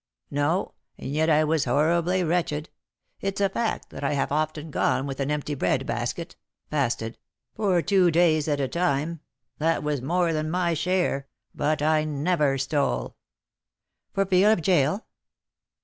"No; and yet I was horribly wretched. It's a fact, that I have often gone with an empty bread basket (fasted) for two days at a time: that was more than my share; but I never stole." "For fear of a gaol?"